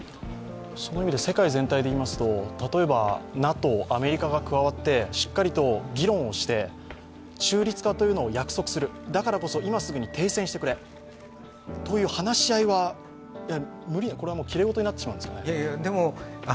世界全体で見ますと、例えばＮＡＴＯアメリカが加わってしっかりと議論をして、中立化を約束する、だからこそ今すぐに停戦してくれという話し合いは、きれいごとになってしまうんでしょうか。